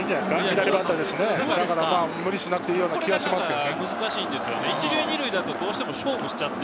左バッターですし、無理しなくていいような気もしますけどね。